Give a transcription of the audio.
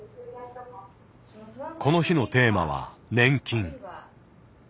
この日のテーマは「年金」。